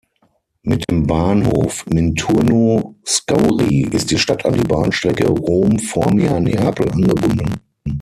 Mit dem Bahnhof Minturno-Scauri ist die Stadt an die Bahnstrecke Rom–Formia–Neapel angebunden.